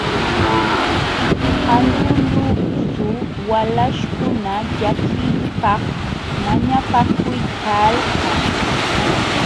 Qalaluksu walaśhkuna llakiypaq mañapakuykalkan.